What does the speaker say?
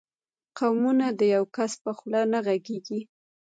قومونه د یو کس په خوله نه غږېږي.